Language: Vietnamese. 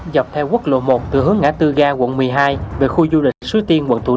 dọc theo quốc lộ một từ hướng ngã tư ga quận một mươi hai về khu du lịch suối tiên quận thủ đức